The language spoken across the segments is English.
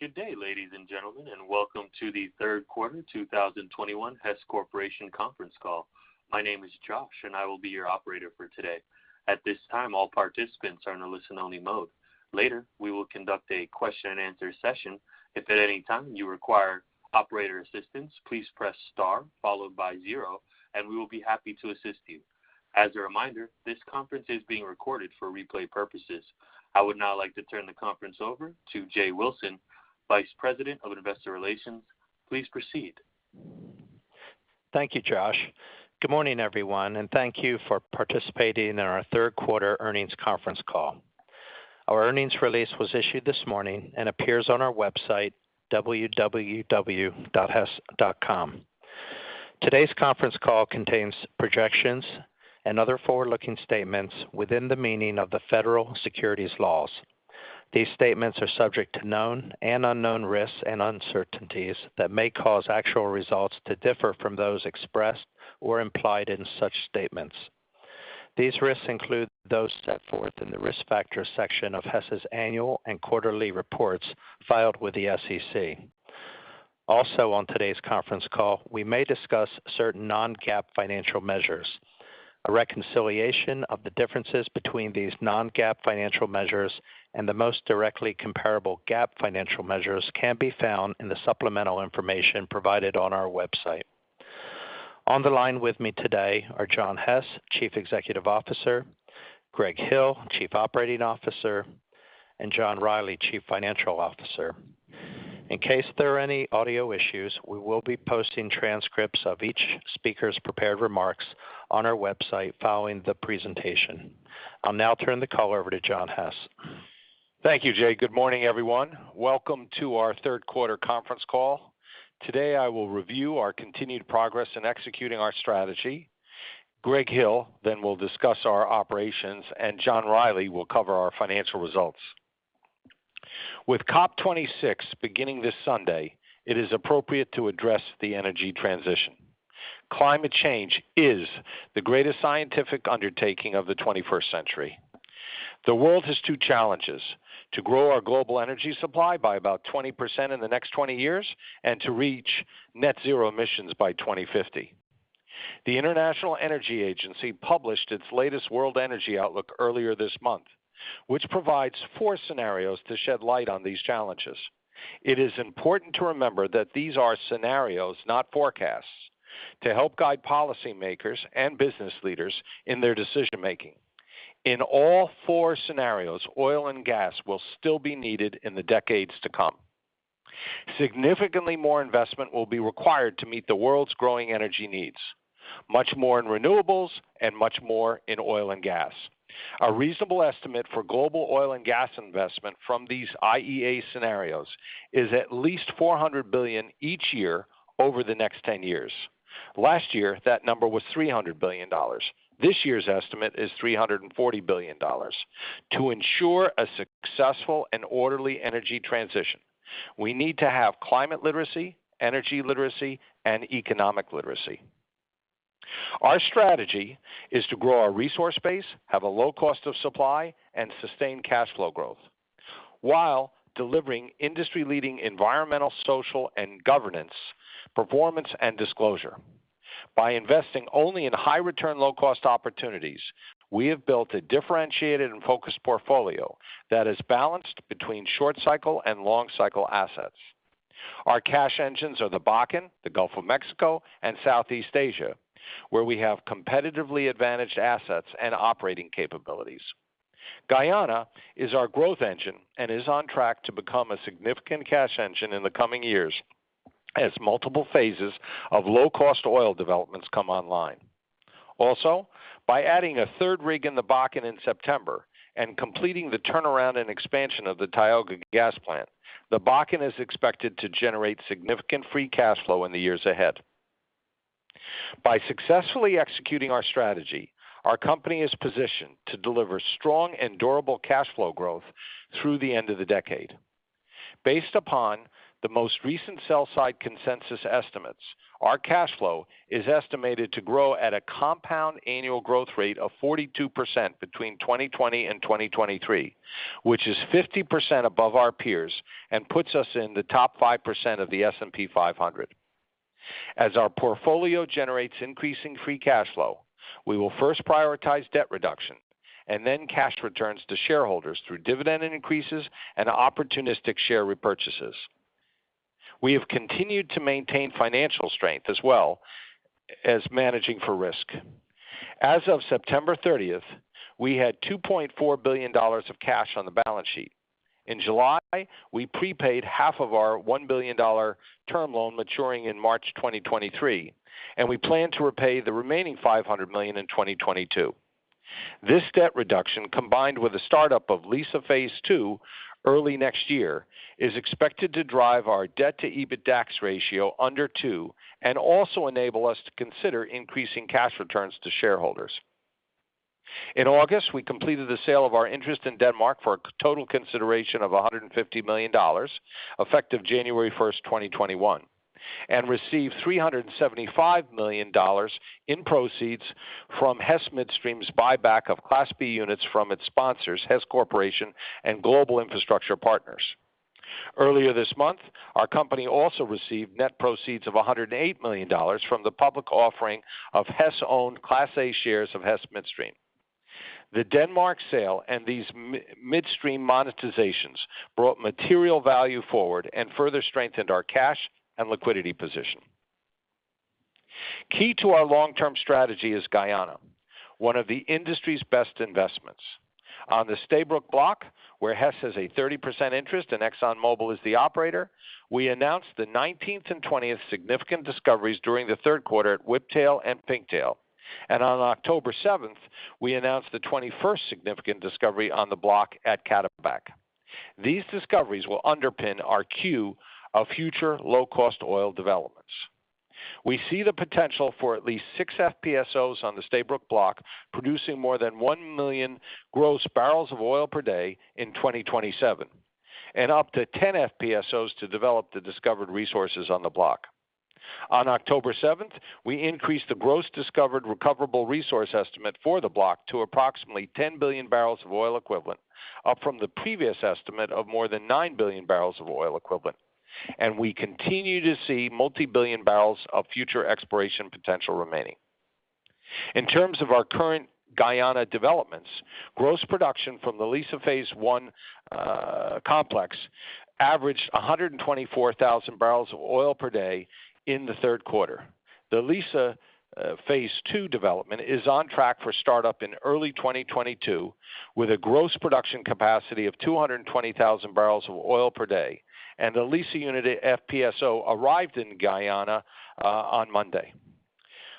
Good day, ladies and gentlemen, and welcome to the third quarter 2021 Hess Corporation conference call. My name is Josh, and I will be your operator for today. At this time, all participants are in a listen-only mode. Later, we will conduct a question-and-answer session. If at any time you require operator assistance, please press star followed by zero, and we will be happy to assist you. As a reminder, this conference is being recorded for replay purposes. I would now like to turn the conference over to Jay Wilson, Vice President of Investor Relations. Please proceed. Thank you, Josh. Good morning, everyone, and thank you for participating in our third quarter earnings conference call. Our earnings release was issued this morning and appears on our website, www.hess.com. Today's conference call contains projections and other forward-looking statements within the meaning of the federal securities laws. These statements are subject to known and unknown risks and uncertainties that may cause actual results to differ from those expressed or implied in such statements. These risks include those set forth in the Risk Factors section of Hess's annual and quarterly reports filed with the SEC. Also, on today's conference call, we may discuss certain non-GAAP financial measures. A reconciliation of the differences between these non-GAAP financial measures and the most directly comparable GAAP financial measures can be found in the supplemental information provided on our website. On the line with me today are John Hess, Chief Executive Officer, Greg Hill, Chief Operating Officer, and John Rielly, Chief Financial Officer. In case there are any audio issues, we will be posting transcripts of each speaker's prepared remarks on our website following the presentation. I'll now turn the call over to John Hess. Thank you, Jay. Good morning, everyone. Welcome to our third quarter conference call. Today, I will review our continued progress in executing our strategy. Greg Hill then will discuss our operations, and John Rielly will cover our financial results. With COP26 beginning this Sunday, it is appropriate to address the energy transition. Climate change is the greatest scientific undertaking of the 21st century. The world has two challenges, to grow our global energy supply by about 20% in the next 20 years and to reach net zero emissions by 2050. The International Energy Agency published its latest World Energy Outlook earlier this month, which provides four scenarios to shed light on these challenges. It is important to remember that these are scenarios, not forecasts, to help guide policymakers and business leaders in their decision-making. In all four scenarios, oil and gas will still be needed in the decades to come. Significantly more investment will be required to meet the world's growing energy needs, much more in renewables and much more in oil and gas. A reasonable estimate for global oil and gas investment from these IEA scenarios is at least $400 billion each year over the next 10 years. Last year, that number was $300 billion. This year's estimate is $340 billion. To ensure a successful and orderly energy transition, we need to have climate literacy, energy literacy, and economic literacy. Our strategy is to grow our resource base, have a low cost of supply, and sustain cash flow growth while delivering industry-leading environmental, social, and governance performance and disclosure. By investing only in high return, low cost opportunities, we have built a differentiated and focused portfolio that is balanced between short cycle and long cycle assets. Our cash engines are the Bakken, the Gulf of Mexico, and Southeast Asia, where we have competitively advantaged assets and operating capabilities. Guyana is our growth engine and is on track to become a significant cash engine in the coming years as multiple phases of low-cost oil developments come online. Also, by adding a third rig in the Bakken in September and completing the turnaround and expansion of the Tioga Gas Plant, the Bakken is expected to generate significant free cash flow in the years ahead. By successfully executing our strategy, our company is positioned to deliver strong and durable cash flow growth through the end of the decade. Based upon the most recent sell side consensus estimates, our cash flow is estimated to grow at a compound annual growth rate of 42% between 2020 and 2023, which is 50% above our peers and puts us in the top 5% of the S&P 500. As our portfolio generates increasing free cash flow, we will first prioritize debt reduction and then cash returns to shareholders through dividend increases and opportunistic share repurchases. We have continued to maintain financial strength as well as managing for risk. As of September 30th, we had $2.4 billion of cash on the balance sheet. In July, we prepaid half of our $1 billion term loan maturing in March 2023, and we plan to repay the remaining $500 million in 2022. This debt reduction, combined with the startup of Liza Phase 2 early next year, is expected to drive our debt-to-EBITDAX ratio under 2 and also enable us to consider increasing cash returns to shareholders. In August, we completed the sale of our interest in Denmark for a total consideration of $150 million, effective January 1st, 2021. Received $375 million in proceeds from Hess Midstream's buyback of Class B units from its sponsors, Hess Corporation and Global Infrastructure Partners. Earlier this month, our company also received net proceeds of $108 million from the public offering of Hess-owned Class A shares of Hess Midstream. The Denmark sale and these midstream monetizations brought material value forward and further strengthened our cash and liquidity position. Key to our long-term strategy is Guyana, one of the industry's best investments. On the Stabroek Block, where Hess has a 30% interest and ExxonMobil is the operator, we announced the 19th and 20th significant discoveries during the third quarter at Whiptail and Pinktail. On October 7th, we announced the 21st significant discovery on the block at Cataback. These discoveries will underpin our queue of future low-cost oil developments. We see the potential for at least 6 FPSOs on the Stabroek Block, producing more than 1 MMbpd in 2027, and up to 10 FPSOs to develop the discovered resources on the block. On October 7th, we increased the gross discovered recoverable resource estimate for the block to approximately 10 billion bbl of oil equivalent, up from the previous estimate of more than 9 billion bbl of oil equivalent. We continue to see multi-billion barrels of future exploration potential remaining. In terms of our current Guyana developments, gross production from the Liza Phase 1 complex averaged 124,000 bbl/d in the third quarter. The Liza Phase 2 development is on track for startup in early 2022, with a gross production capacity of 220,000 bbl/d. The Liza Unity FPSO arrived in Guyana on Monday.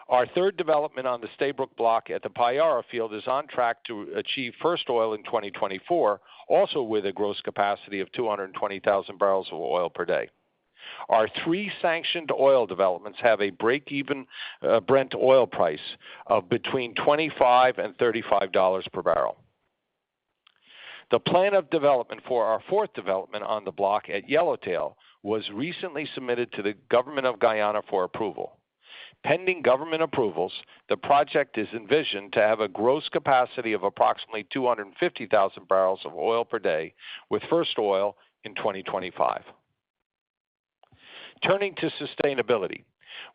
Our third development on the Stabroek Block at the Payara field is on track to achieve first oil in 2024, also with a gross capacity of 220,000 bbl/d. Our three sanctioned oil developments have a break-even Brent oil price of between $25 and $35 per barrel. The plan of development for our fourth development on the block at Yellowtail was recently submitted to the Government of Guyana for approval. Pending government approvals, the project is envisioned to have a gross capacity of approximately 250,000 bbl/d, with first oil in 2025. Turning to sustainability,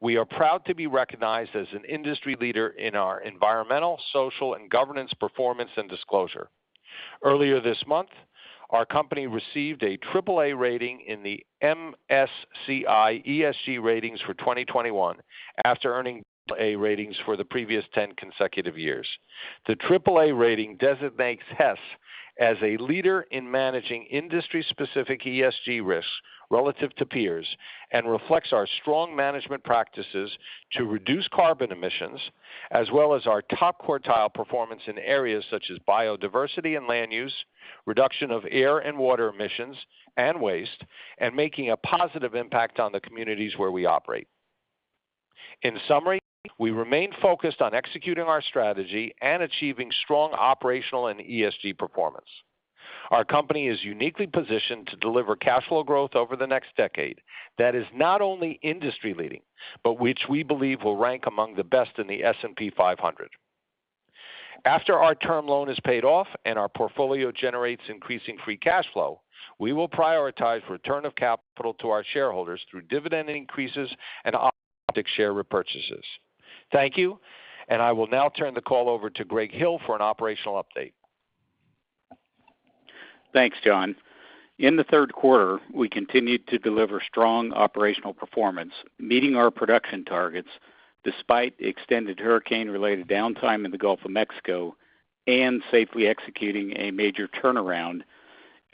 we are proud to be recognized as an industry leader in our environmental, social, and governance performance and disclosure. Earlier this month, our company received a triple A rating in the MSCI ESG Ratings for 2021, after earning double A ratings for the previous 10 consecutive years. The triple A rating designates Hess as a leader in managing industry-specific ESG risks relative to peers and reflects our strong management practices to reduce carbon emissions, as well as our top quartile performance in areas such as biodiversity and land use, reduction of air and water emissions and waste, and making a positive impact on the communities where we operate. In summary, we remain focused on executing our strategy and achieving strong operational and ESG performance. Our company is uniquely positioned to deliver cash flow growth over the next decade that is not only industry-leading, but which we believe will rank among the best in the S&P 500. After our term loan is paid off and our portfolio generates increasing free cash flow, we will prioritize return of capital to our shareholders through dividend increases and opportunistic share repurchases. Thank you, and I will now turn the call over to Greg Hill for an operational update. Thanks, John. In the third quarter, we continued to deliver strong operational performance, meeting our production targets despite extended hurricane-related downtime in the Gulf of Mexico and safely executing a major turnaround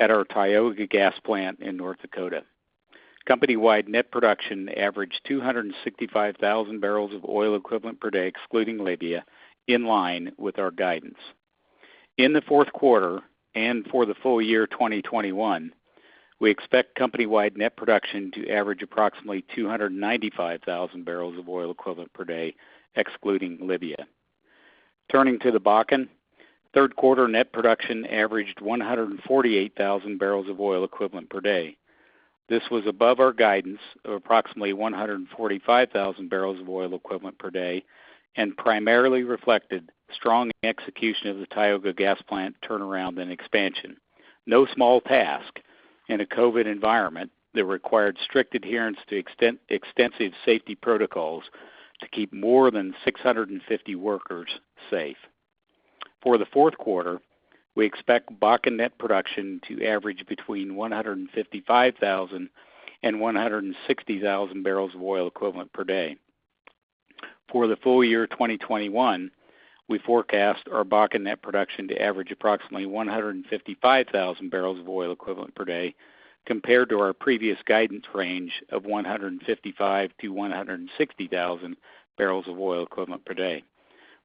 at our Tioga Gas Plant in North Dakota. Company-wide net production averaged 265,000 bbl of oil equivalent per day, excluding Libya, in line with our guidance. In the fourth quarter and for the full year 2021, we expect company-wide net production to average approximately 295,000 bbl of oil equivalent per day, excluding Libya. Turning to the Bakken, third quarter net production averaged 148,000 bbl of oil equivalent per day. This was above our guidance of approximately 145,000 bbl of oil equivalent per day and primarily reflected strong execution of the Tioga Gas Plant turnaround and expansion. No small task in a COVID environment that required strict adherence to extensive safety protocols to keep more than 650 workers safe. For the fourth quarter, we expect Bakken net production to average between 155,000 bbl and 160,000 bbl of oil equivalent per day. For the full year 2021, we forecast our Bakken net production to average approximately 155,000 bbl of oil equivalent per day compared to our previous guidance range of 155,000 bbl-160,000 bbl of oil equivalent per day.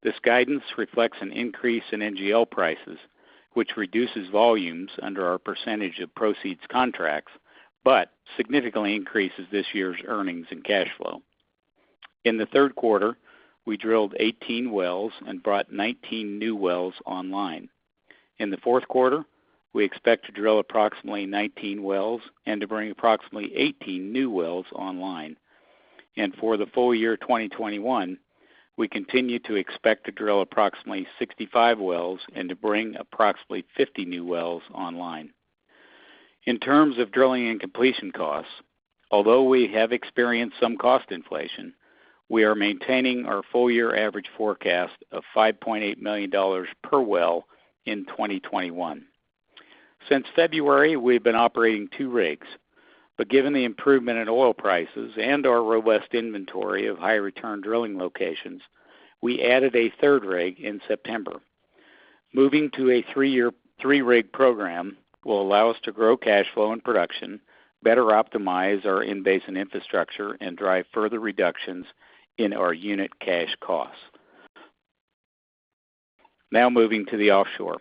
This guidance reflects an increase in NGL prices, which reduces volumes under our percentage of proceeds contracts, but significantly increases this year's earnings and cash flow. In the third quarter, we drilled 18 wells and brought 19 new wells online. In the fourth quarter, we expect to drill approximately 19 wells and to bring approximately 18 new wells online. For the full year 2021, we continue to expect to drill approximately 65 wells and to bring approximately 50 new wells online. In terms of drilling and completion costs, although we have experienced some cost inflation, we are maintaining our full year average forecast of $5.8 million per well in 2021. Since February, we've been operating two rigs, but given the improvement in oil prices and our robust inventory of high return drilling locations, we added a third rig in September. Moving to a three-year, three-rig program will allow us to grow cash flow and production, better optimize our in-basin infrastructure, and drive further reductions in our unit cash costs. Now moving to the offshore.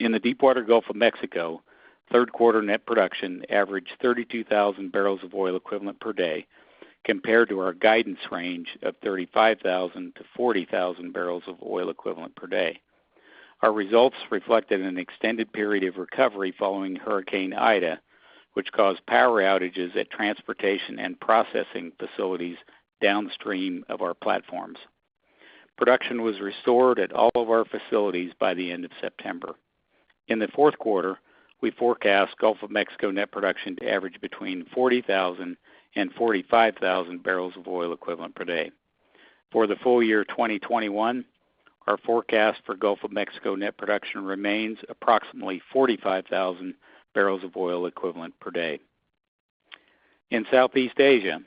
In the deepwater Gulf of Mexico, third quarter net production averaged 32,000 bbl of oil equivalent per day compared to our guidance range of 35,000 bbl-40,000 bbl of oil equivalent per day. Our results reflected an extended period of recovery following Hurricane Ida, which caused power outages at transportation and processing facilities downstream of our platforms. Production was restored at all of our facilities by the end of September. In the fourth quarter, we forecast Gulf of Mexico net production to average between 40,000 bbl-45,000 bbl of oil equivalent per day. For the full year 2021, our forecast for Gulf of Mexico net production remains approximately 45,000 bbl of oil equivalent per day. In Southeast Asia,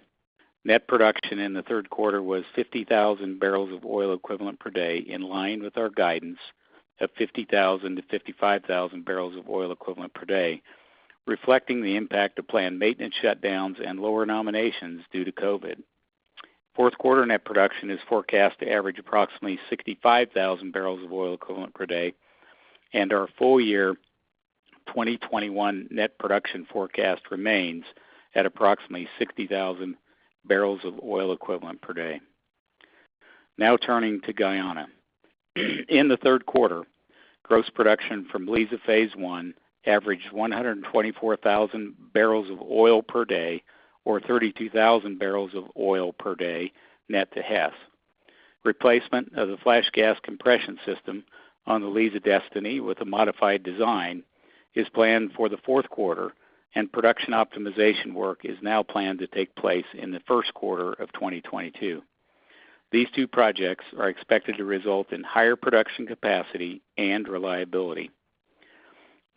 net production in the third quarter was 50,000 bbl of oil equivalent per day, in line with our guidance of 50,000 bbl-55,000 bbl of oil equivalent per day, reflecting the impact of planned maintenance shutdowns and lower nominations due to COVID. Fourth quarter net production is forecast to average approximately 65,000 bbl of oil equivalent per day, and our full-year 2021 net production forecast remains at approximately 60,000 bbl of oil equivalent per day. Now turning to Guyana. In the third quarter, gross production from Liza Phase 1 averaged 124,000 bbl/d, or 32,000 bbl/d net to Hess. Replacement of the flash gas compression system on the Liza Destiny with a modified design is planned for the fourth quarter and production optimization work is now planned to take place in the first quarter of 2022. These two projects are expected to result in higher production capacity and reliability.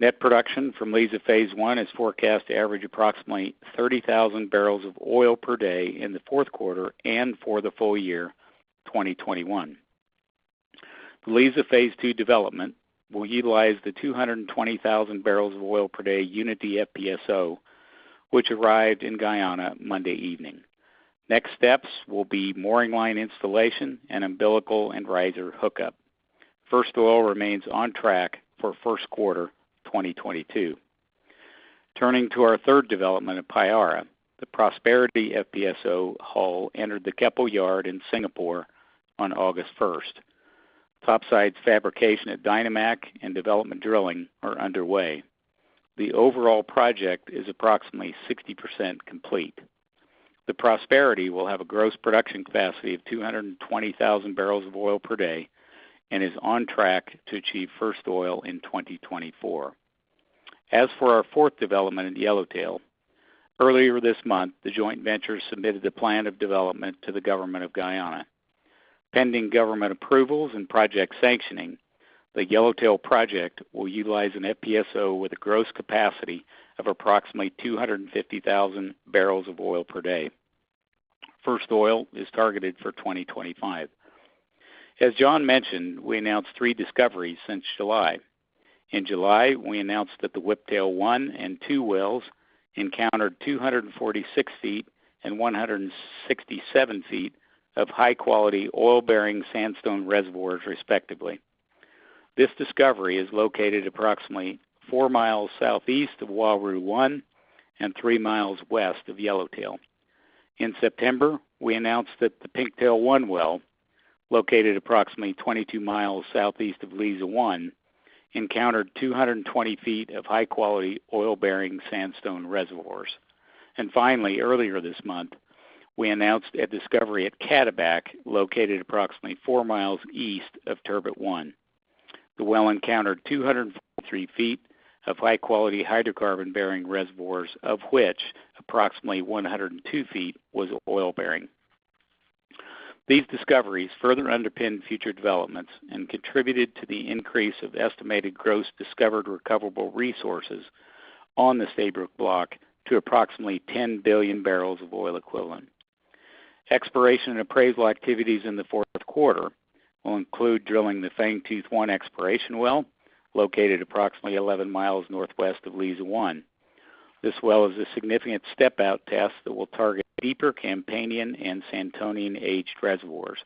Net production from Liza Phase 1 is forecast to average approximately 30,000 bbl/d in the fourth quarter and for the full year 2021. The Liza Phase Two development will utilize the 220,000 bbl/d Unity FPSO, which arrived in Guyana Monday evening. Next steps will be mooring line installation and umbilical and riser hookup. First Oil remains on track for first quarter 2022. Turning to our third development at Payara. The Prosperity FPSO hull entered the Keppel yard in Singapore on August 1st. Topsides fabrication at Dyna-Mac and development drilling are underway. The overall project is approximately 60% complete. The Prosperity will have a gross production capacity of 220,000 bbl/d and is on track to achieve first oil in 2024. As for our fourth development in Yellowtail, earlier this month, the joint venture submitted a plan of development to the Government of Guyana. Pending government approvals and project sanctioning, the Yellowtail project will utilize an FPSO with a gross capacity of approximately 250,000 bbl/d. First oil is targeted for 2025. As John mentioned, we announced three discoveries since July. In July, we announced that the Whiptail-1 and Whiptail-2 wells encountered 246 ft and 167 ft of high quality oil-bearing sandstone reservoirs, respectively. This discovery is located approximately 4 mi southeast of Uaru-1 and 3 mi west of Yellowtail. In September, we announced that the Pinktail-1 well, located approximately 22 mi southeast of Liza 1, encountered 220 ft of high quality oil-bearing sandstone reservoirs. Finally, earlier this month, we announced a discovery at Cataback, located approximately 4 mi east of Turbot-1. The well encountered 203 ft of high quality hydrocarbon-bearing reservoirs, of which approximately 102 ft was oil-bearing. These discoveries further underpin future developments and contributed to the increase of estimated gross discovered recoverable resources on the Stabroek Block to approximately 10 billion bbl of oil equivalent. Exploration and appraisal activities in the fourth quarter will include drilling the Fangtooth-1 exploration well located approximately 11 mi northwest of Liza 1. This well is a significant step out test that will target deeper Campanian and Santonian aged reservoirs.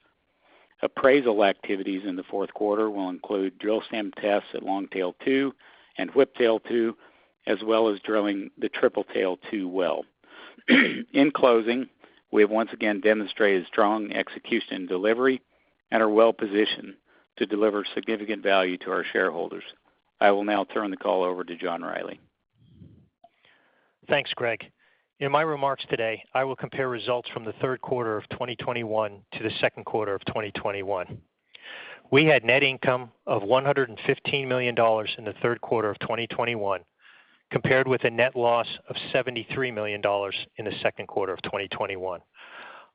Appraisal activities in the fourth quarter will include drill stem tests at Longtail-2 and Whiptail-2, as well as drilling the Tripletail-2 well. In closing, we have once again demonstrated strong execution and delivery and are well positioned to deliver significant value to our shareholders. I will now turn the call over to John Rielly. Thanks, Greg. In my remarks today, I will compare results from the third quarter of 2021 to the second quarter of 2021. We had net income of $115 million in the third quarter of 2021, compared with a net loss of $73 million in the second quarter of 2021.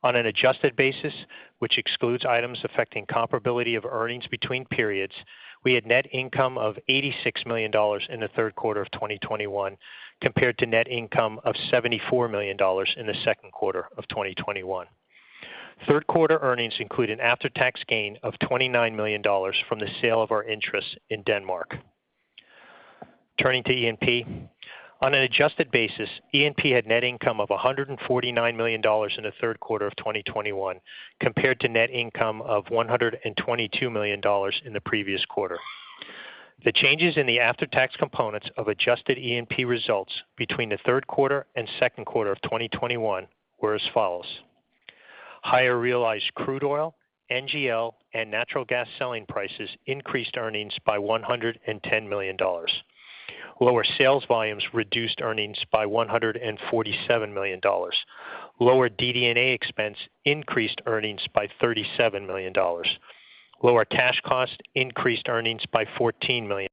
On an adjusted basis, which excludes items affecting comparability of earnings between periods, we had net income of $86 million in the third quarter of 2021, compared to net income of $74 million in the second quarter of 2021. Third quarter earnings include an after-tax gain of $29 million from the sale of our interest in Denmark. Turning to E&P. On an adjusted basis, E&P had net income of $149 million in the third quarter of 2021, compared to net income of $122 million in the previous quarter. The changes in the after-tax components of adjusted E&P results between the third quarter and second quarter of 2021 were as follows. Higher realized crude oil, NGL, and natural gas selling prices increased earnings by $110 million. Lower sales volumes reduced earnings by $147 million. Lower DD&A expense increased earnings by $37 million. Lower cash cost increased earnings by $14 million.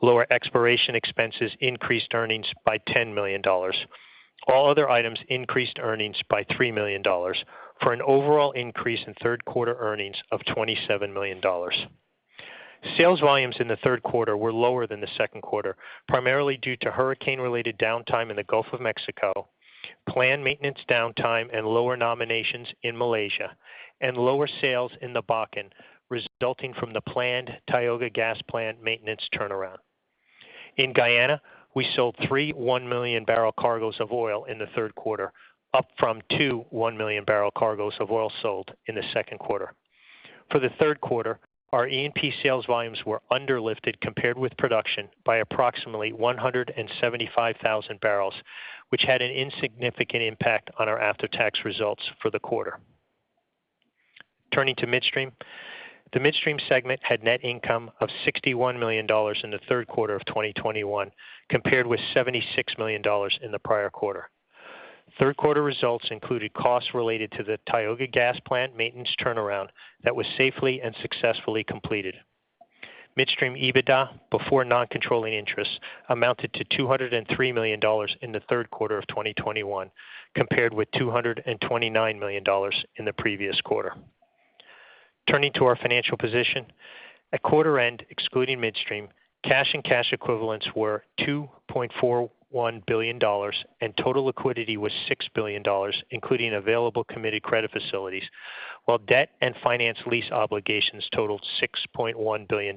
Lower exploration expenses increased earnings by $10 million. All other items increased earnings by $3 million for an overall increase in third quarter earnings of $27 million. Sales volumes in the third quarter were lower than the second quarter, primarily due to hurricane-related downtime in the Gulf of Mexico, planned maintenance downtime and lower nominations in Malaysia, and lower sales in the Bakken resulting from the planned Tioga Gas Plant maintenance turnaround. In Guyana, we sold three 1-million-bbl cargoes of oil in the third quarter, up from two 1-million-bbl cargoes of oil sold in the second quarter. For the third quarter, our E&P sales volumes were under lifted compared with production by approximately 175,000 bbl, which had an insignificant impact on our after-tax results for the quarter. Turning to Midstream. The Midstream segment had net income of $61 million in the third quarter of 2021, compared with $76 million in the prior quarter. Third quarter results included costs related to the Tioga Gas Plant maintenance turnaround that was safely and successfully completed. Midstream EBITDA before non-controlling interests amounted to $203 million in the third quarter of 2021, compared with $229 million in the previous quarter. Turning to our financial position. At quarter end, excluding Midstream, cash and cash equivalents were $2.41 billion, and total liquidity was $6 billion, including available committed credit facilities, while debt and finance lease obligations totaled $6.1 billion.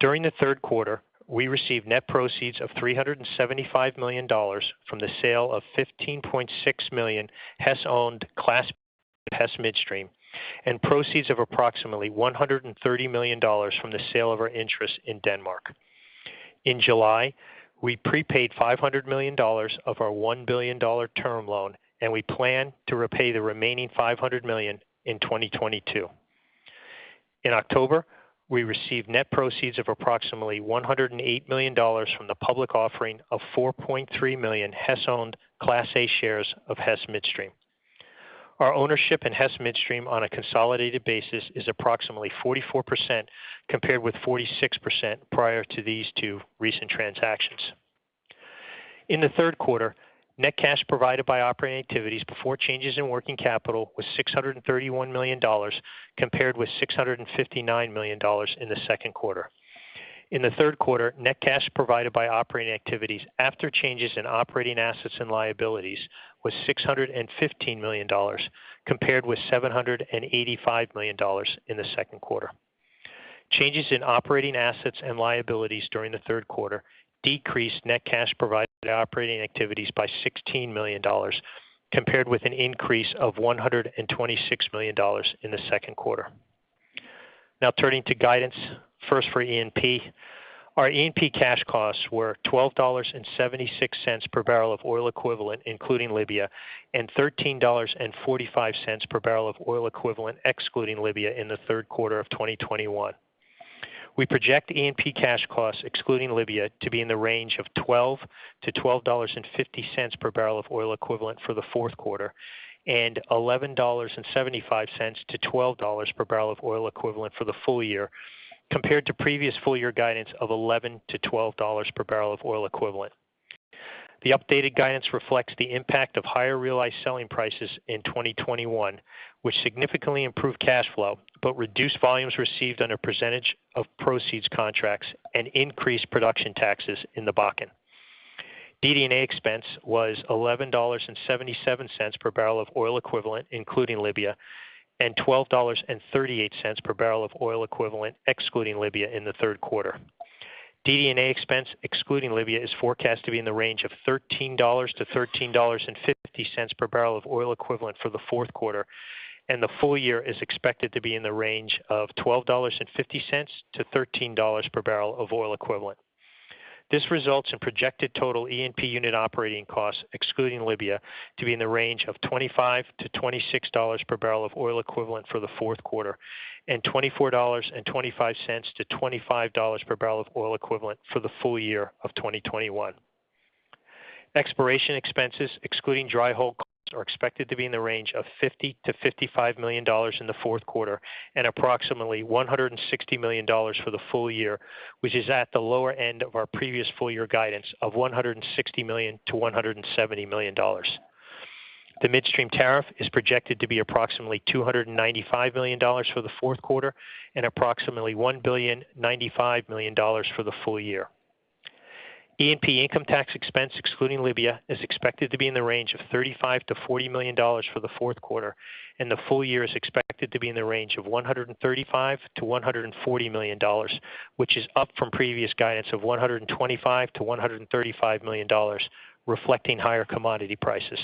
During the third quarter, we received net proceeds of $375 million from the sale of 15.6 million Hess-owned Class A shares of Hess Midstream, and proceeds of approximately $130 million from the sale of our interest in Denmark. In July, we prepaid $500 million of our $1 billion term loan, and we plan to repay the remaining $500 million in 2022. In October, we received net proceeds of approximately $108 million from the public offering of 4.3 million Hess-owned Class A shares of Hess Midstream. Our ownership in Hess Midstream on a consolidated basis is approximately 44%, compared with 46% prior to these two recent transactions. In the third quarter, net cash provided by operating activities before changes in working capital was $631 million, compared with $659 million in the second quarter. In the third quarter, net cash provided by operating activities after changes in operating assets and liabilities was $615 million, compared with $785 million in the second quarter. Changes in operating assets and liabilities during the third quarter decreased net cash provided by operating activities by $16 million, compared with an increase of $126 million in the second quarter. Now turning to guidance. First for E&P. Our E&P cash costs were $12.76 per barrel of oil equivalent, including Libya, and $13.45 per barrel of oil equivalent excluding Libya in the third quarter of 2021. We project E&P cash costs excluding Libya to be in the range of $12-$12.50 per barrel of oil equivalent for the fourth quarter, and $11.75-$12 per barrel of oil equivalent for the full year, compared to previous full year guidance of $11-$12 per barrel of oil equivalent. The updated guidance reflects the impact of higher realized selling prices in 2021, which significantly improved cash flow but reduced volumes received under percentage of proceeds contracts and increased production taxes in the Bakken. DD&A expense was $11.77 per barrel of oil equivalent, including Libya, and $12.38 per barrel of oil equivalent excluding Libya in the third quarter. DD&A expense excluding Libya is forecast to be in the range of $13-$13.50 per barrel of oil equivalent for the fourth quarter, and the full year is expected to be in the range of $12.50-$13 per barrel of oil equivalent. This results in projected total E&P unit operating costs excluding Libya to be in the range of $25-$26 per barrel of oil equivalent for the fourth quarter, and $24.25-$25 per barrel of oil equivalent for the full year of 2021. Exploration expenses excluding dry hole costs are expected to be in the range of $50 million-$55 million in the fourth quarter and approximately $160 million for the full year, which is at the lower end of our previous full year guidance of $160 million-$170 million. The midstream tariff is projected to be approximately $295 million for the fourth quarter and approximately $1.095 billion for the full year. E&P income tax expense excluding Libya is expected to be in the range of $35 million-$40 million for the fourth quarter, and the full year is expected to be in the range of $135 million-$140 million, which is up from previous guidance of $125 million-$135 million, reflecting higher commodity prices.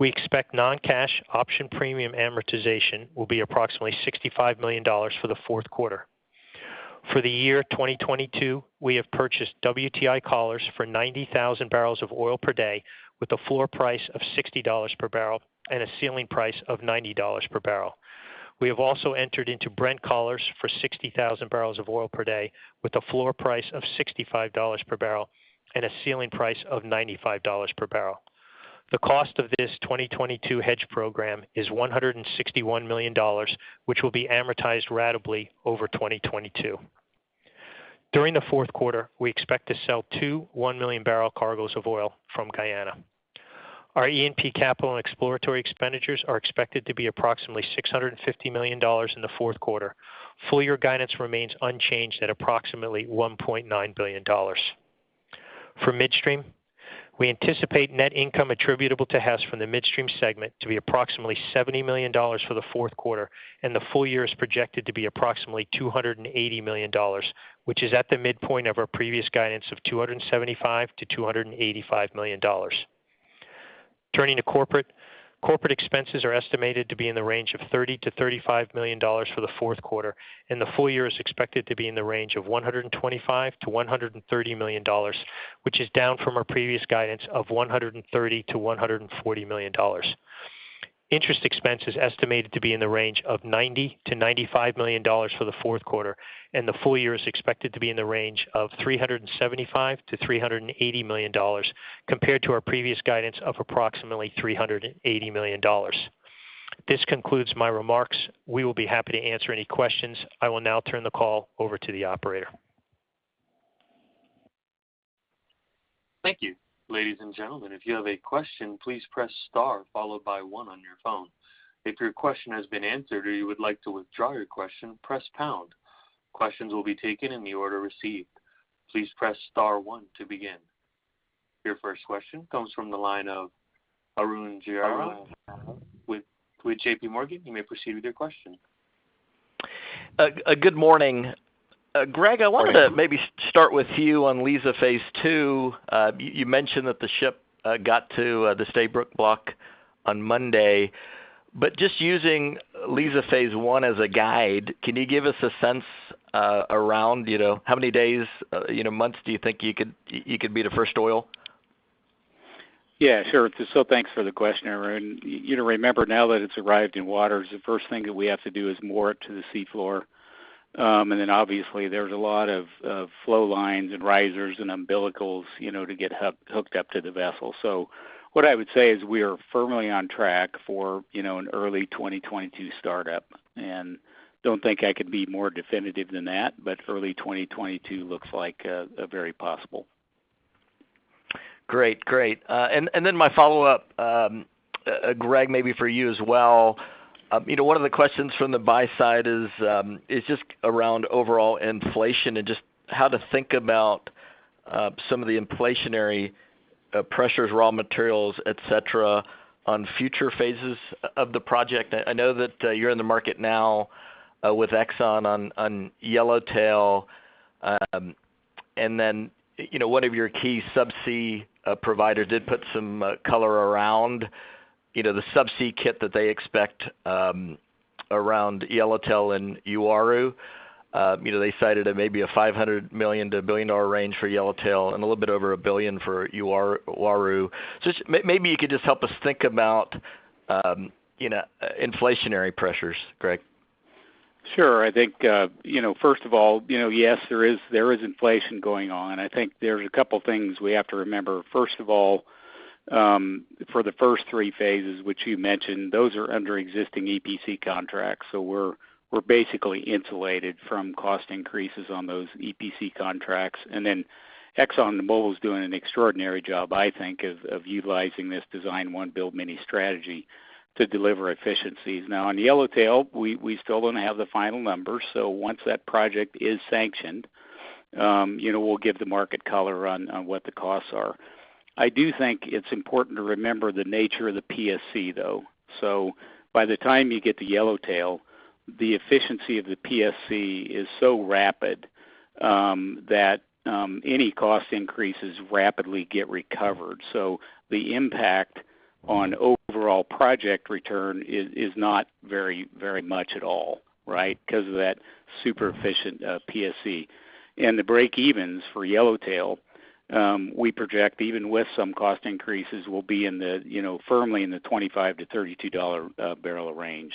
We expect non-cash option premium amortization will be approximately $65 million for the fourth quarter. For the year 2022, we have purchased WTI collars for 90,000 bbl/d with a floor price of $60 per barrel and a ceiling price of $90 per barrel. We have also entered into Brent collars for 60,000 bbl/d with a floor price of $65 per barrel and a ceiling price of $95 per barrel. The cost of this 2022 hedge program is $161 million, which will be amortized ratably over 2022. During the fourth quarter, we expect to sell two 1-million-barrel cargoes of oil from Guyana. Our E&P capital and exploratory expenditures are expected to be approximately $650 million in the fourth quarter. Full year guidance remains unchanged at approximately $1.9 billion. For midstream, we anticipate net income attributable to Hess from the midstream segment to be approximately $70 million for the fourth quarter, and the full year is projected to be approximately $280 million, which is at the midpoint of our previous guidance of $275 million-$285 million. Turning to corporate. Corporate expenses are estimated to be in the range of $30 million-$35 million for the fourth quarter, and the full year is expected to be in the range of $125 million-$130 million, which is down from our previous guidance of $130 million-$140 million. Interest expense is estimated to be in the range of $90 million-$95 million for the fourth quarter, and the full year is expected to be in the range of $375 million-$380 million compared to our previous guidance of approximately $380 million. This concludes my remarks. We will be happy to answer any questions. I will now turn the call over to the operator. Thank you. Ladies and gentlemen, if you have a question, please press star followed by one on your phone. If your question has been answered or you would like to withdraw your question, press pound. Questions will be taken in the order received. Please press star one to begin. Your first question comes from the line of Arun Jayaram with JPMorgan. You may proceed with your question. Good morning. Greg, I wanted to maybe start with you Liza Phase 2. You mentioned that the ship got to the Stabroek Block on Monday. Just using Liza Phase 1 as a guide, can you give us a sense around, you know, how many days, you know, months do you think you could be the first oil? Yeah, sure. Thanks for the question, Arun. You know, remember now that it's arrived in waters, the first thing that we have to do is moor it to the sea floor. Then obviously there's a lot of flow lines and risers and umbilicals, you know, to get hooked up to the vessel. What I would say is we are firmly on track for, you know, an early 2022 startup. I don't think I could be more definitive than that, but early 2022 looks like very possible. Great. And then my follow-up, Greg, maybe for you as well. You know, one of the questions from the buy side is just around overall inflation and just how to think about some of the inflationary pressures, raw materials, et cetera, on future phases of the project. I know that you're in the market now with Exxon on Yellowtail. And then, you know, one of your key subsea providers did put some color around the subsea kit that they expect around Yellowtail and Uaru. You know, they cited maybe a $500 million-$1 billion range for Yellowtail and a little bit over $1 billion for Uaru. Just maybe you could just help us think about, you know, inflationary pressures, Greg. Sure. I think, you know, first of all, you know, yes, there is inflation going on. I think there's a couple things we have to remember. First of all, for the first three phases, which you mentioned, those are under existing EPC contracts. So we're basically insulated from cost increases on those EPC contracts. ExxonMobil is doing an extraordinary job, I think, of utilizing this design one, build many strategy to deliver efficiencies. Now on Yellowtail, we still don't have the final numbers. So once that project is sanctioned, you know, we'll give the market color on what the costs are. I do think it's important to remember the nature of the PSC, though. So by the time you get to Yellowtail, the efficiency of the PSC is so rapid, that any cost increases rapidly get recovered. The impact on overall project return is not very much at all, right? Because of that super efficient PSC. The breakevens for Yellowtail we project, even with some cost increases, will be firmly in the $25-$32 barrel range.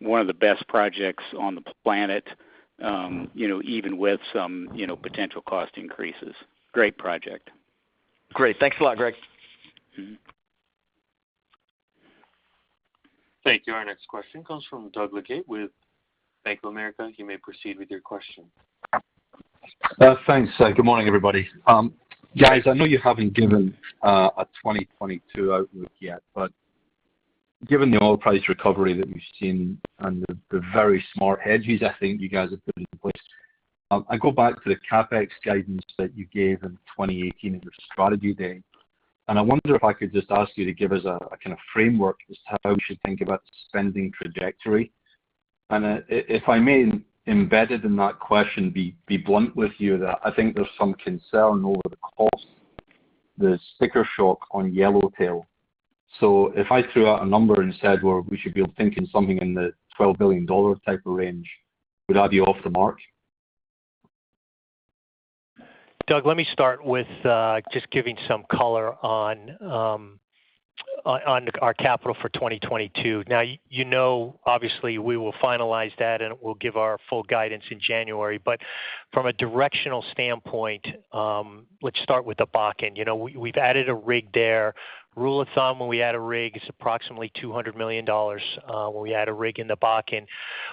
One of the best projects on the planet, you know, even with some potential cost increases. Great project. Great. Thanks a lot, Greg. Mm-hmm. Thank you. Our next question comes from Doug Leggate with Bank of America. You may proceed with your question. Thanks. Good morning, everybody. Guys, I know you haven't given a 2022 outlook yet, but given the oil price recovery that we've seen and the very smart hedges I think you guys have put in place, I go back to the CapEx guidance that you gave in 2018 at your strategy day. I wonder if I could just ask you to give us a kind of framework as to how we should think about spending trajectory. If I may, embedded in that question, be blunt with you that I think there's some concern over the cost, the sticker shock on Yellowtail. If I threw out a number and said, well, we should be thinking something in the $12 billion type of range, would I be off the mark? Doug, let me start with just giving some color on our capital for 2022. Now, you know, obviously, we will finalize that, and we'll give our full guidance in January. From a directional standpoint, let's start with the Bakken. You know, we've added a rig there. Rule of thumb, when we add a rig, it's approximately $200 million when we add a rig in the Bakken.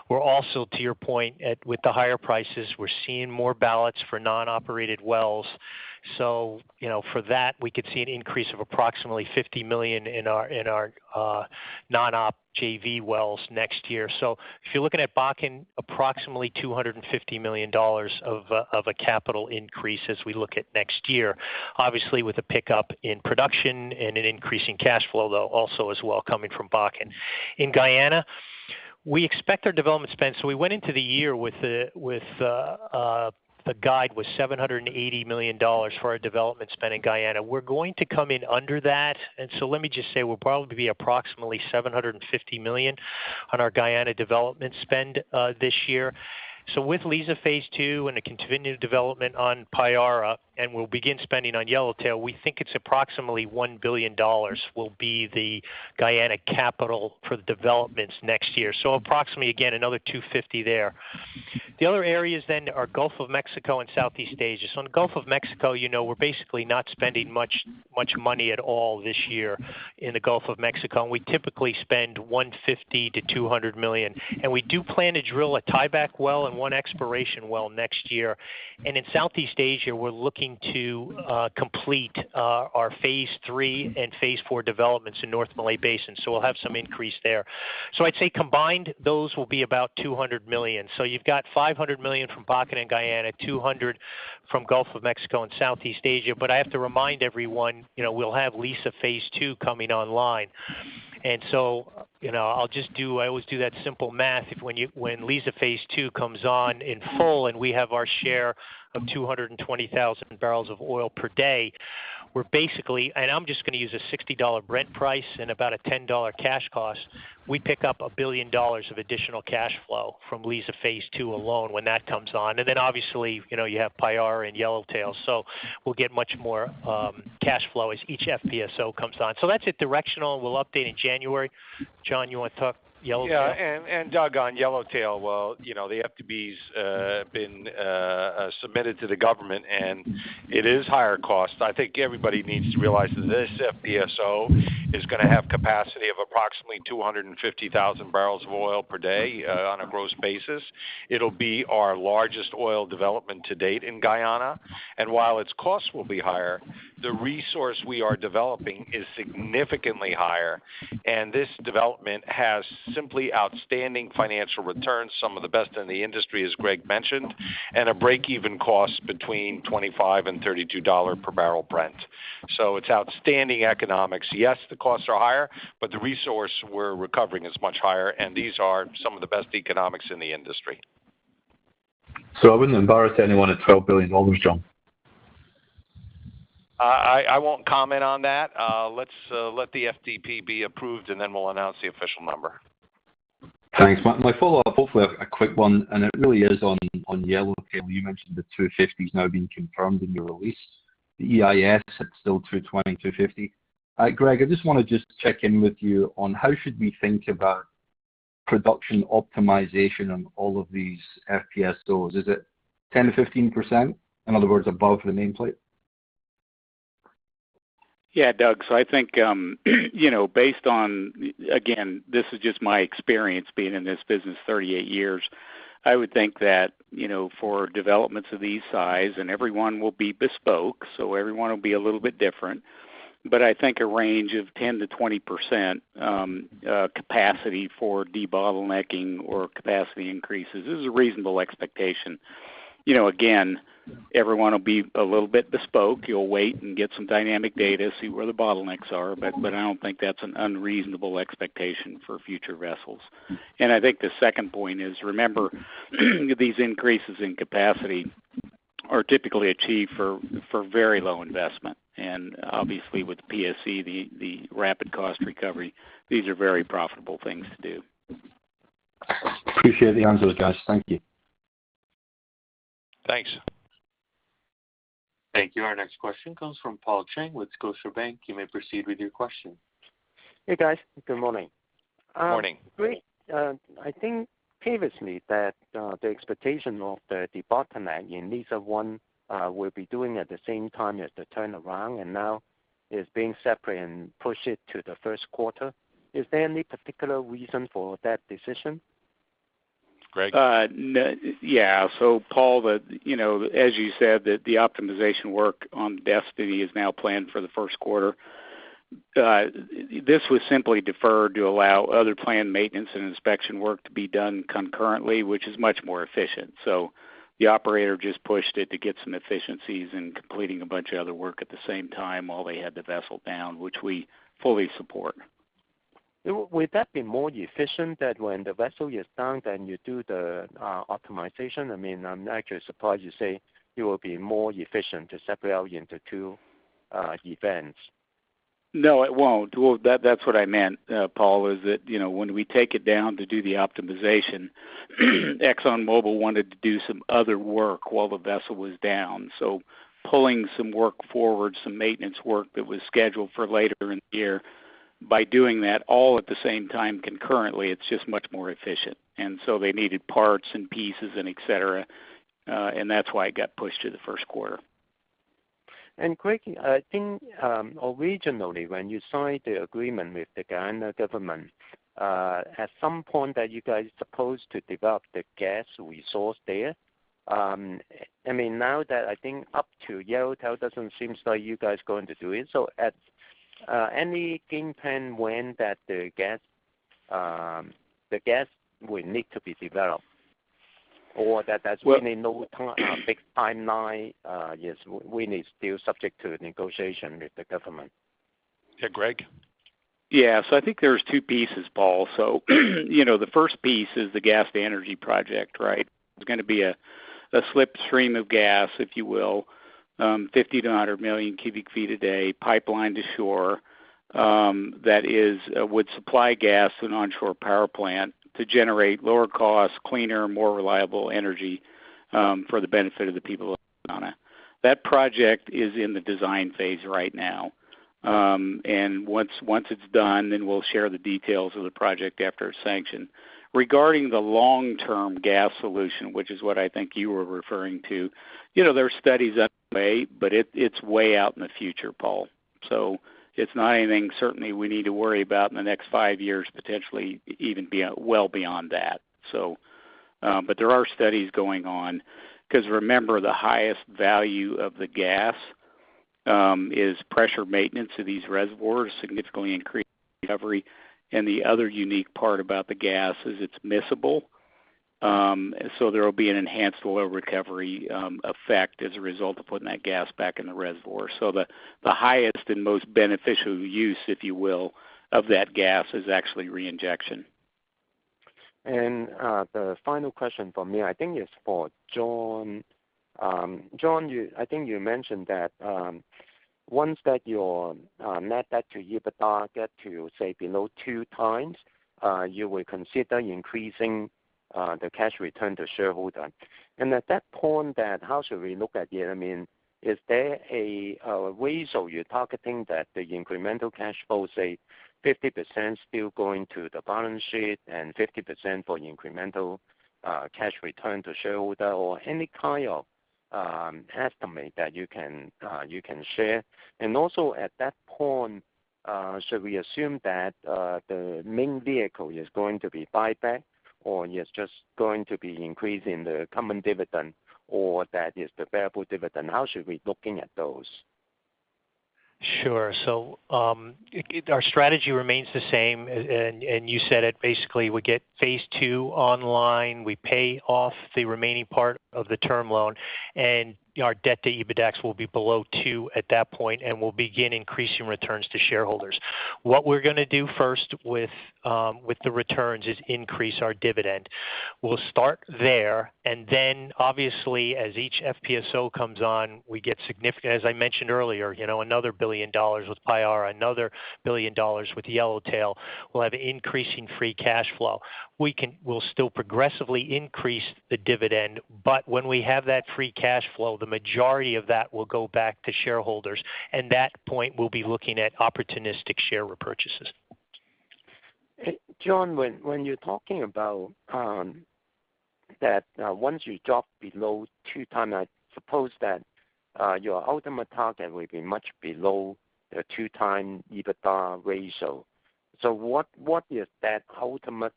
We're also, to your point, with the higher prices, we're seeing more ballots for non-operated wells. You know, for that, we could see an increase of approximately $50 million in our non-op JV wells next year. If you're looking at Bakken, approximately $250 million of a capital increase as we look at next year. Obviously, with a pickup in production and an increase in cash flow, though also as well coming from Bakken. In Guyana, we expect our development spend. We went into the year with a guide was $780 million for our development spend in Guyana. We're going to come in under that. Let me just say we'll probably be approximately $750 million on our Guyana development spend this year. With Liza Phase 2 and a continued development on Payara, and we'll begin spending on Yellowtail, we think it's approximately $1 billion will be the Guyana capital for the developments next year. Approximately, again, another $250 million there. The other areas then are Gulf of Mexico and Southeast Asia. In the Gulf of Mexico, you know, we're basically not spending much money at all this year in the Gulf of Mexico, and we typically spend $150 million-$200 million. We do plan to drill a tieback well and one exploration well next year. In Southeast Asia, we're looking to complete our phase three and phase four developments in North Malay Basin. We'll have some increase there. I'd say combined, those will be about $200 million. You've got $500 million from Bakken and Guyana, $200 million from Gulf of Mexico and Southeast Asia. I have to remind everyone, you know, we'll have Liza Phase 2 coming online. You know, I always do that simple math. When Liza Phase 2 comes on in full and we have our share of 220,000 bbl/d, we're basically, and I'm just gonna use a $60 Brent price and about a $10 cash cost, we pick up $1 billion of additional cash flow from Liza Phase 2 alone when that comes on. Then obviously, you know, you have Payara and Yellowtail, so we'll get much more cash flow as each FPSO comes on. That's directional. We'll update in January. John, you want to talk Yellowtail? Yeah. Doug, on Yellowtail, well, you know, the FDP's been submitted to the government, and it is higher cost. I think everybody needs to realize that this FPSO is gonna have capacity of approximately 250,000 bbl/d, on a gross basis. It'll be our largest oil development to date in Guyana. While its costs will be higher, the resource we are developing is significantly higher, and this development has simply outstanding financial returns, some of the best in the industry, as Greg mentioned, and a break-even cost between $25 and $32 per barrel Brent. It's outstanding economics. Yes, the costs are higher, but the resource we're recovering is much higher, and these are some of the best economics in the industry. I wouldn't embarrass anyone at $12 billion, John. I won't comment on that. Let's let the FDP be approved, and then we'll announce the official number. Thanks. My follow-up, hopefully a quick one, and it really is on Yellowtail. You mentioned the 250s now being confirmed in your release. The FPSO, it's still 220,000 bbl, 250,000 bbl. Greg, I just wanna check in with you on how should we think about production optimization on all of these FPSOs? Is it 10%-15%? In other words, above the nameplate? Yeah, Doug. I think, you know, based on, again, this is just my experience being in this business 38 years, I would think that, you know, for developments of this size, and everyone will be bespoke, so everyone will be a little bit different. I think a range of 10%-20% capacity for debottlenecking or capacity increases is a reasonable expectation. You know, again, everyone will be a little bit bespoke. You'll wait and get some dynamic data, see where the bottlenecks are. I don't think that's an unreasonable expectation for future vessels. I think the second point is, remember these increases in capacity are typically achieved for very low investment. Obviously, with PSC, the rapid cost recovery, these are very profitable things to do. appreciate the answers, guys. Thank you. Thanks. Thank you. Our next question comes from Paul Cheng with Scotiabank. You may proceed with your question. Hey, guys. Good morning. Morning. Greg, I think previously that the expectation of the debottleneck Liza Phase 1 will be doing at the same time as the turnaround, and now is being separate and push it to the first quarter. Is there any particular reason for that decision? Greg? Yeah. Paul, as you said, the optimization work on Destiny is now planned for the first quarter. This was simply deferred to allow other planned maintenance and inspection work to be done concurrently, which is much more efficient. The operator just pushed it to get some efficiencies in completing a bunch of other work at the same time while they had the vessel down, which we fully support. Would that be more efficient that when the vessel is down, then you do the optimization? I mean, I'm actually surprised you say it will be more efficient to separate it into two events. No, it won't. Well, that's what I meant, Paul, is that, you know, when we take it down to do the optimization, ExxonMobil wanted to do some other work while the vessel was down. Pulling some work forward, some maintenance work that was scheduled for later in the year, by doing that all at the same time concurrently, it's just much more efficient. They needed parts and pieces and et cetera. That's why it got pushed to the first quarter. Greg, I think originally when you signed the agreement with the Guyana government, at some point that you guys supposed to develop the gas resource there. I mean, now that I think up to Yellowtail doesn't seem like you guys going to do it. Any game plan when the gas will need to be developed or is that really no fixed timeline, or is it still subject to negotiation with the government? Yeah, Greg? Yeah. I think there's two pieces, Paul. You know, the first piece is the gas to energy project, right? It's gonna be a slip stream of gas, if you will, 50 million cu ft to 100 million cu ft a day pipelined to shore, that would supply gas to an onshore power plant to generate lower cost, cleaner, more reliable energy, for the benefit of the people of Guyana. That project is in the design phase right now. Once it's done, then we'll share the details of the project after it's sanctioned. Regarding the long-term gas solution, which is what I think you were referring to, you know, there are studies underway, but it's way out in the future, Paul, so it's not anything certainly we need to worry about in the next five years, potentially even well beyond that. There are studies going on because remember, the highest value of the gas is pressure maintenance of these reservoirs, significantly increased recovery. The other unique part about the gas is it's miscible. There will be an enhanced oil recovery effect as a result of putting that gas back in the reservoir. The highest and most beneficial use, if you will, of that gas is actually reinjection. The final question from me, I think is for John. John, I think you mentioned that once your net debt to EBITDA gets to, say, below 2x, you will consider increasing the cash return to shareholder. At that point then how should we look at it? I mean, is there a ratio you're targeting that the incremental cash flow, say 50% still going to the balance sheet and 50% for incremental cash return to shareholder or any kind of estimate that you can share? Also at that point, should we assume that the main vehicle is going to be buyback or is just going to be increasing the common dividend or that is the variable dividend? How should we looking at those? Sure. Our strategy remains the same. You said it basically. We get phase two online, we pay off the remaining part of the term loan, and our debt to EBITDA will be below 2 at that point, and we'll begin increasing returns to shareholders. What we're gonna do first with the returns is increase our dividend. We'll start there, and then obviously as each FPSO comes on, we get significant, as I mentioned earlier, you know, another $1 billion with Payara, another $1 billion with Yellowtail. We'll have increasing free cash flow. We'll still progressively increase the dividend, but when we have that free cash flow, the majority of that will go back to shareholders, and at that point we'll be looking at opportunistic share repurchases. John, when you're talking about that once you drop below 2x, I suppose that your ultimate target will be much below the 2x EBITDA ratio. What is that ultimate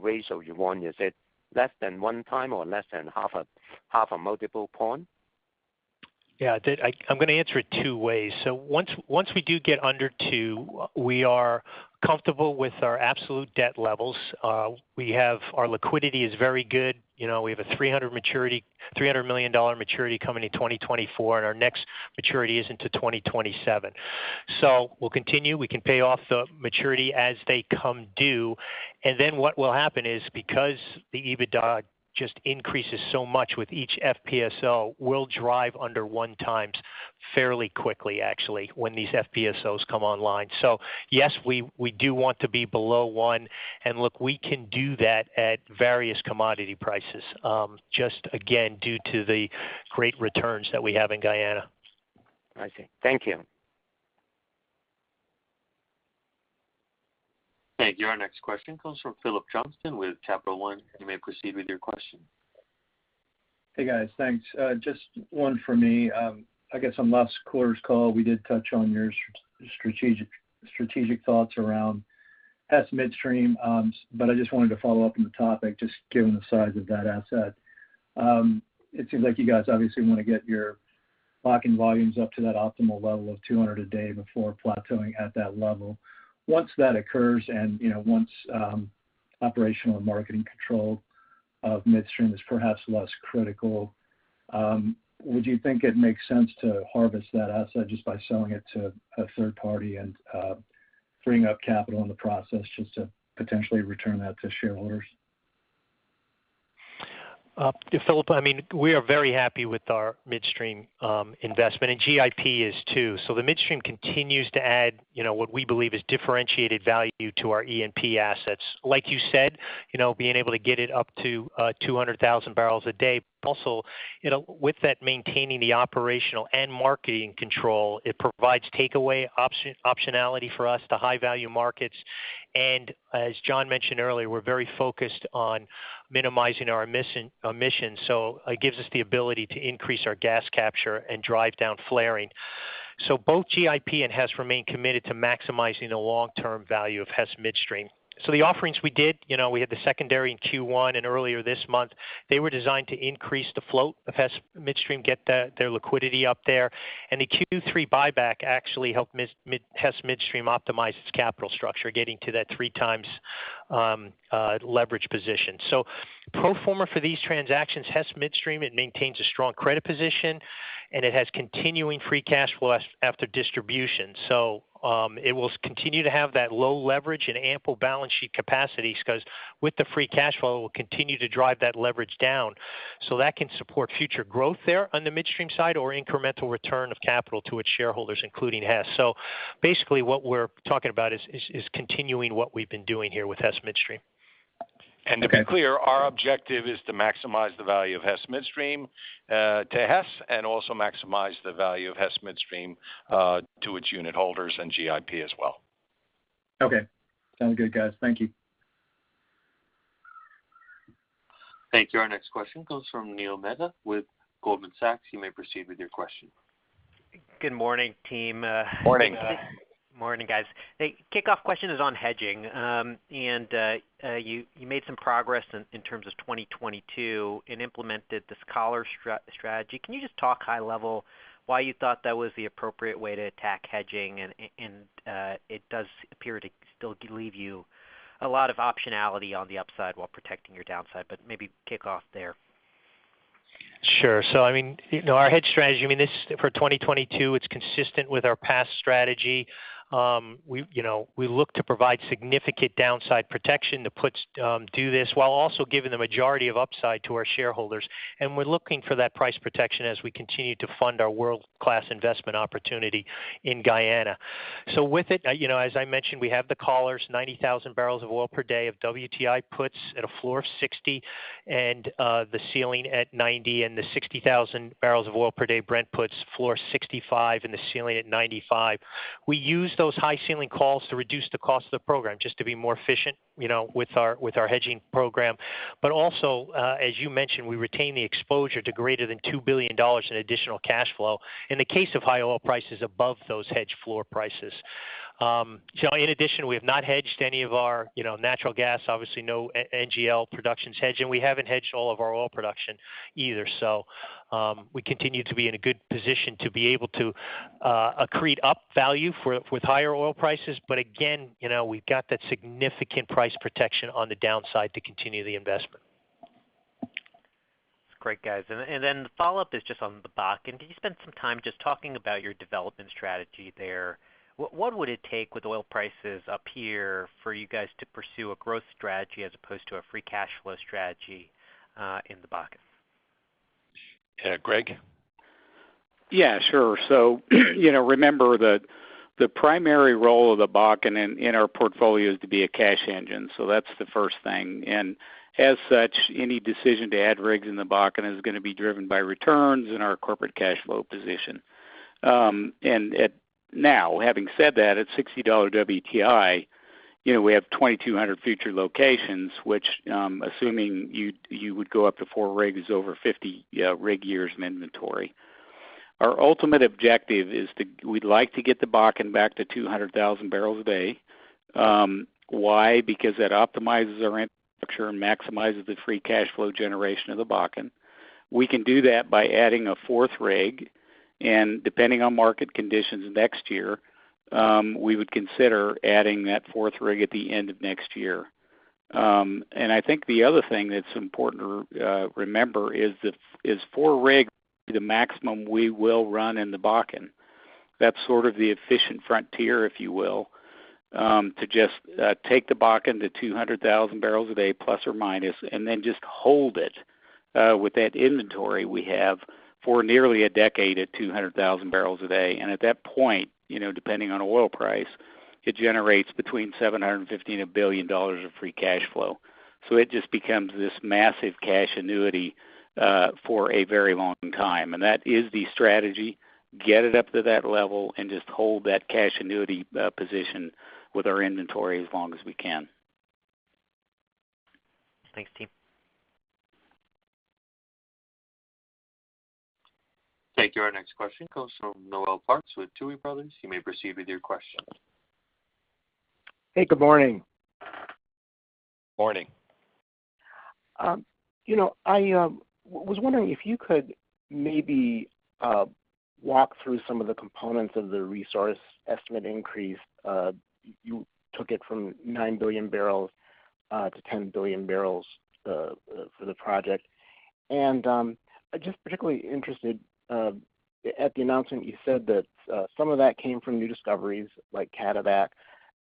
ratio you want? Is it less than 1x or less than half a multiple point? Yeah. I'm gonna answer it two ways. Once we do get under 2, we are comfortable with our absolute debt levels. Our liquidity is very good. You know, we have a $300 million maturity coming in 2024, and our next maturity isn't till 2027. We'll continue. We can pay off the maturity as they come due. Then what will happen is because the EBITDA just increases so much with each FPSO, we'll drive under 1x fairly quickly, actually, when these FPSOs come online. Yes, we do want to be below 1. Look, we can do that at various commodity prices, just again, due to the great returns that we have in Guyana. I see. Thank you. Thank you. Our next question comes from Phillips Johnston with Capital One. You may proceed with your question. Hey, guys. Thanks. Just one for me. I guess on last quarter's call, we did touch on your strategic thoughts around Hess Midstream, but I just wanted to follow up on the topic, just given the size of that asset. It seems like you guys obviously wanna get your Bakken volumes up to that optimal level of 200 a day before plateauing at that level. Once that occurs, and you know, once operational and marketing control of Midstream is perhaps less critical, would you think it makes sense to harvest that asset just by selling it to a third party and freeing up capital in the process just to potentially return that to shareholders? Yeah, Phillips, I mean, we are very happy with our Midstream investment, and GIP is too. The Midstream continues to add, you know, what we believe is differentiated value to our E&P assets. Like you said, you know, being able to get it up to 200,000 bbl a day. Also, you know, with that, maintaining the operational and marketing control, it provides takeaway optionality for us to high value markets. And as John mentioned earlier, we're very focused on minimizing our emissions, so it gives us the ability to increase our gas capture and drive down flaring. Both GIP and Hess remain committed to maximizing the long-term value of Hess Midstream. The offerings we did, you know, we had the secondary in Q1 and earlier this month. They were designed to increase the float of Hess Midstream, get their liquidity up there. The Q3 buyback actually helped Hess Midstream optimize its capital structure, getting to that 3x leverage position. Pro forma for these transactions, Hess Midstream maintains a strong credit position, and it has continuing free cash flow after distribution. It will continue to have that low leverage and ample balance sheet capacity because with the free cash flow, it will continue to drive that leverage down. That can support future growth there on the Midstream side or incremental return of capital to its shareholders, including Hess. Basically what we're talking about is continuing what we've been doing here with Hess Midstream. Okay. To be clear, our objective is to maximize the value of Hess Midstream to Hess and also maximize the value of Hess Midstream to its unit holders and GIP as well. Okay. Sounds good, guys. Thank you. Thank you. Our next question comes from Neil Mehta with Goldman Sachs. You may proceed with your question. Good morning, team. Morning. Morning. Morning, guys. Hey, kickoff question is on hedging. You made some progress in terms of 2022 and implemented this collar strategy. Can you just talk high level why you thought that was the appropriate way to attack hedging? It does appear to still leave you a lot of optionality on the upside while protecting your downside, but maybe kick off there. Sure. I mean, you know, our hedge strategy, I mean, this is for 2022, it's consistent with our past strategy. We, you know, we look to provide significant downside protection. The puts do this while also giving the majority of upside to our shareholders. We're looking for that price protection as we continue to fund our world-class investment opportunity in Guyana. With it, you know, as I mentioned, we have the collars, 90,000 bbl/d of WTI puts at a floor of $60 and the ceiling at $90, and the 60,000 bbl/d Brent puts floor $65 and the ceiling at $95. We use those high ceiling calls to reduce the cost of the program, just to be more efficient, you know, with our hedging program. Also, as you mentioned, we retain the exposure to greater than $2 billion in additional cash flow in the case of high oil prices above those hedge floor prices. In addition, we have not hedged any of our, you know, natural gas, obviously no NGL production's hedged, and we haven't hedged all of our oil production either. We continue to be in a good position to be able to accrete up value with higher oil prices. Again, you know, we've got that significant price protection on the downside to continue the investment. That's great, guys. The follow-up is just on the Bakken. Can you spend some time just talking about your development strategy there? What would it take with oil prices up here for you guys to pursue a growth strategy as opposed to a free cash flow strategy in the Bakken? Greg? Yeah, sure. You know, remember the primary role of the Bakken in our portfolio is to be a cash engine. That's the first thing. As such, any decision to add rigs in the Bakken is gonna be driven by returns and our corporate cash flow position. Now, having said that, at $60 WTI, you know, we have 2,200 future locations, which, assuming you would go up to four rigs, is over 50 rig years in inventory. Our ultimate objective is we'd like to get the Bakken back to 200,000 bbl a day. Why? Because that optimizes our infrastructure and maximizes the free cash flow generation of the Bakken. We can do that by adding a fourth rig, and depending on market conditions next year, we would consider adding that fourth rig at the end of next year. I think the other thing that's important to remember is that is four rigs the maximum we will run in the Bakken. That's sort of the efficient frontier, if you will, to just take the Bakken to 200,000 bbl a day plus or minus, and then just hold it with that inventory we have for nearly a decade at 200,000 bbl a day. At that point, you know, depending on oil price, it generates between $750 million and $1 billion of free cash flow. It just becomes this massive cash annuity for a very long time. That is the strategy, get it up to that level and just hold that cash annuity position with our inventory as long as we can. Thanks, team. Thank you. Our next question comes from Noel Parks with Tuohy Brothers. You may proceed with your question. Hey, good morning. Morning. You know, I was wondering if you could maybe walk through some of the components of the resource estimate increase. You took it from 9 billion bbl to 10 billion bbl for the project. I'm just particularly interested at the announcement, you said that some of that came from new discoveries like Cataback.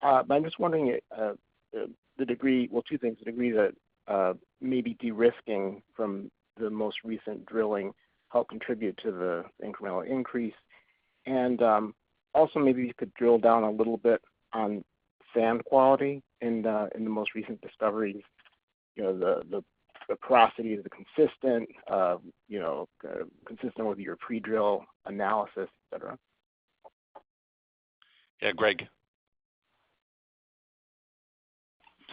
But I'm just wondering the degree. Well, two things, the degree that maybe de-risking from the most recent drilling helped contribute to the incremental increase. Also, maybe you could drill down a little bit on sand quality in the most recent discoveries. You know, the porosity is it consistent, you know, consistent with your pre-drill analysis, et cetera? Yeah. Greg.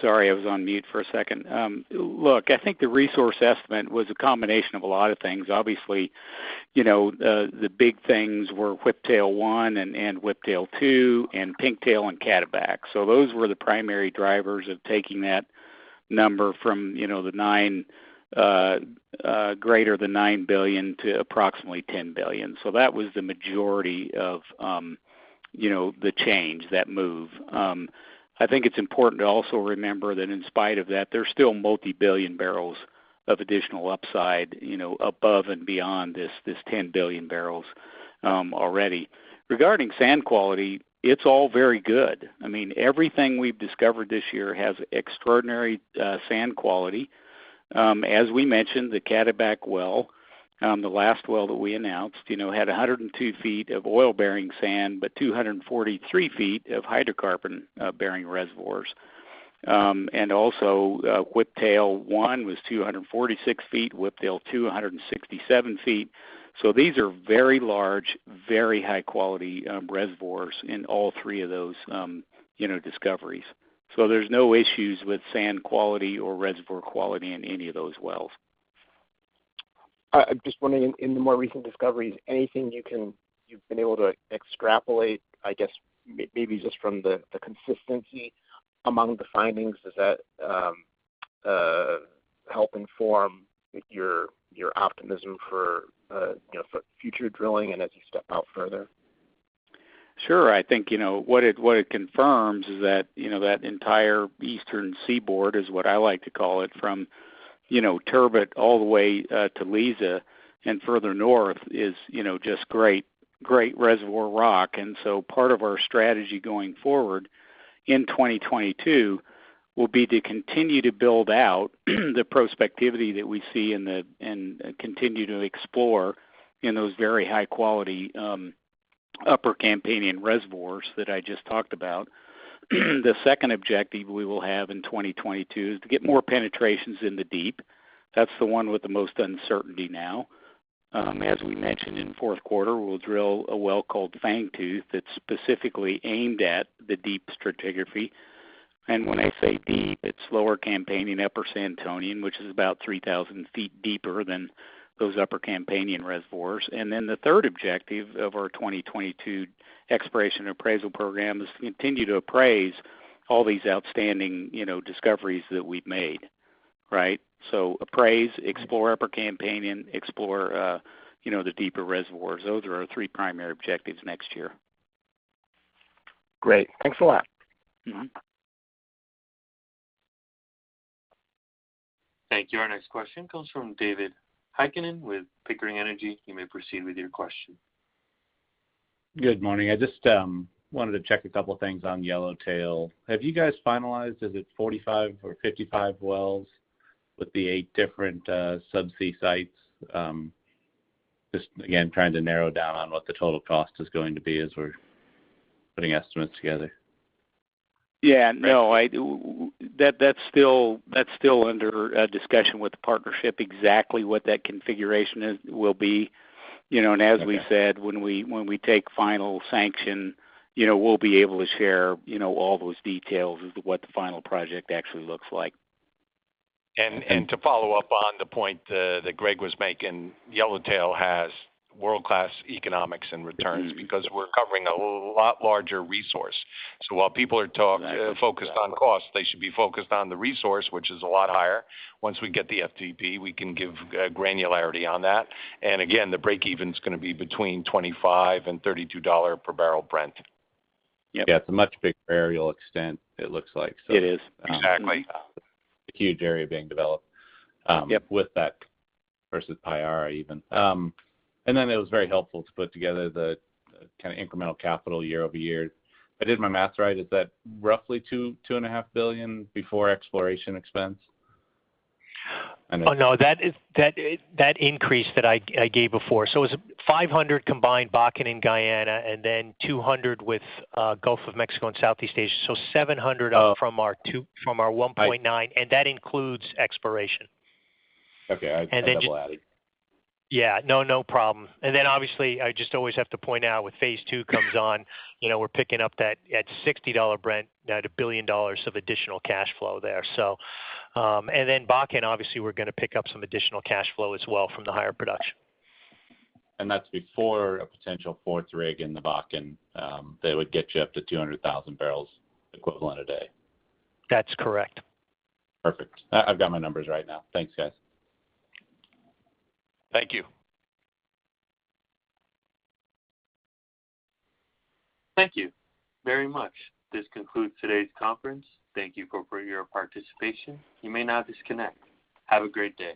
Sorry, I was on mute for a second. Look, I think the resource estimate was a combination of a lot of things. Obviously, you know, the big things were Whiptail-1 and Whiptail-2 and Pinktail and Cataback. Those were the primary drivers of taking that number from, you know, greater than 9 billion to approximately 10 billion. That was the majority of, you know, the change, that move. I think it's important to also remember that in spite of that, there's still multi-billion bbl of additional upside, you know, above and beyond this 10 billion bbl already. Regarding sand quality, it's all very good. I mean, everything we've discovered this year has extraordinary sand quality. As we mentioned, the Cataback well, the last well that we announced, you know, had 102 ft of oil-bearing sand, but 243 ft of hydrocarbon bearing reservoirs. Also, Whiptail-1 was 246 ft, Whiptail-2, 167 ft. These are very large, very high quality reservoirs in all three of those discoveries. There's no issues with sand quality or reservoir quality in any of those wells. I'm just wondering in the more recent discoveries, anything you've been able to extrapolate, I guess maybe just from the consistency among the findings, does that help inform your optimism for, you know, for future drilling and as you step out further? Sure. I think, you know, what it confirms is that, you know, that entire eastern seaboard is what I like to call it from, you know, Turbot all the way to Liza and further north is, you know, just great reservoir rock. Part of our strategy going forward in 2022 will be to continue to build out the prospectivity that we see in the and continue to explore in those very high quality Upper Campanian reservoirs that I just talked about. The second objective we will have in 2022 is to get more penetrations in the deep. That's the one with the most uncertainty now. As we mentioned in fourth quarter, we'll drill a well called Fangtooth that's specifically aimed at the deep stratigraphy. When I say deep, it's Lower Campanian, Upper Santonian, which is about 3,000 ft deeper than those Upper Campanian reservoirs. The third objective of our 2022 exploration appraisal program is to continue to appraise all these outstanding, you know, discoveries that we've made, right? Appraise, explore Upper Campanian, explore, you know, the deeper reservoirs. Those are our three primary objectives next year. Great. Thanks a lot. Thank you. Our next question comes from David Heikkinen with Pickering Energy. You may proceed with your question. Good morning. I just wanted to check a couple of things on Yellowtail. Have you guys finalized, is it 45 or 55 wells with the eight different subsea sites? Just again, trying to narrow down on what the total cost is going to be as we're putting estimates together. Yeah, no. That's still under discussion with the partnership, exactly what that configuration will be. You know, as we said, when we take final sanction, you know, we'll be able to share, you know, all those details as to what the final project actually looks like. To follow up on the point that Greg was making, Yellowtail has world-class economics and returns because we're covering a lot larger resource. While people are focused on cost, they should be focused on the resource, which is a lot higher. Once we get the FTP, we can give granularity on that. Again, the break-even's gonna be between $25 and $32 per barrel Brent. Yeah, it's a much bigger areal extent, it looks like. It is. Exactly. A huge area being developed. Yep With that versus Payara even. It was very helpful to put together the kind of incremental capital year-over-year. If I did my math right, is that roughly $2 billion-$2.5 billion before exploration expense? Oh, no, that is that increase that I gave before. It's 500,000 bbl combined Bakken and Guyana and then 200,000 bbl with Gulf of Mexico and Southeast Asia. 700,000 bbl Oh. From our $1.9 billion, and that includes exploration. Okay. I double added. Yeah. No, no problem. Obviously, I just always have to point out when phase two comes on, you know, we're picking up that at $60 Brent, at $1 billion of additional cash flow there. Bakken, obviously, we're gonna pick up some additional cash flow as well from the higher production. That's before a potential fourth rig in the Bakken that would get you up to 200,000 bbl equivalent a day. That's correct. Perfect. I've got my numbers right now. Thanks, guys. Thank you. Thank you very much. This concludes today's conference. Thank you for your participation. You may now disconnect. Have a great day.